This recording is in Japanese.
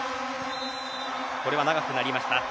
これは長くなりました。